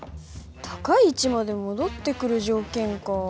高い位置まで戻ってくる条件か。